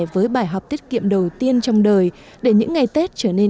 với bài học tiết kiệm đầu tiên trong đời để những ngày tết trở nên ý nghĩa hơn